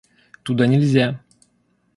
— Туда нельзя!